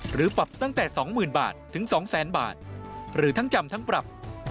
หรือปรับตั้งแต่๒๐๐๐บาทถึง๒๐๐๐บาทหรือทั้งจำทั้งปรับ